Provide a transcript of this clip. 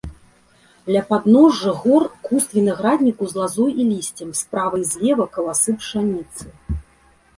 Ля падножжа гор куст вінаградніку з лазой і лісцем, справа і злева каласы пшаніцы.